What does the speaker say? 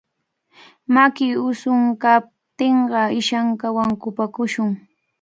Maki ushunkaakuptinqa ishankawan kupakushun.